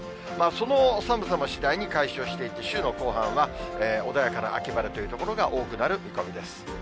その寒さも次第に解消していって、週の後半は、穏やかな秋晴れという所が多くなる見込みです。